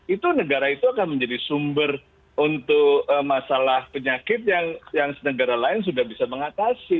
itu negara itu akan menjadi sumber untuk masalah penyakit yang negara lain sudah bisa mengatasi